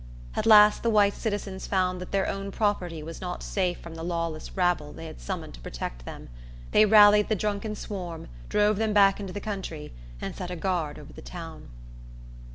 At last the white citizens found that their own property was not safe from the lawless rabble they had summoned to protect them. They rallied the drunken swarm, drove them back into the country, and set a guard over the town.